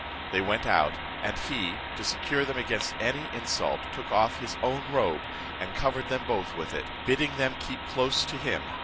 They went out, and he, to secure them against any insult, took off his own robe, and covered them both with it, bidding them keep close to him.